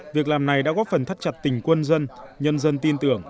việc làm này đã góp phần thắt chặt tình quân dân nhân dân tin tưởng